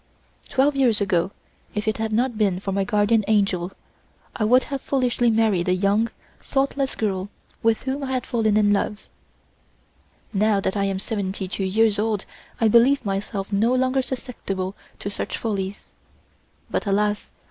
Twelve years ago, if it had not been for my guardian angel, I would have foolishly married a young, thoughtless girl, with whom I had fallen in love: Now that I am seventy two years old I believe myself no longer susceptible of such follies; but, alas!